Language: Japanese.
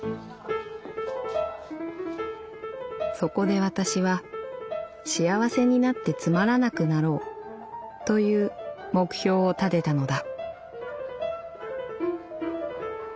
「そこで私は幸せになってつまらなくなろうという目標を立てたのだ」。